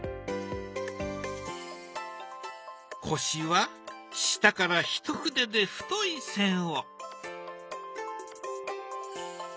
腰は下からひと筆で太い線を。